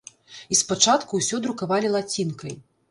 І спачатку ўсё друкавалі лацінкай.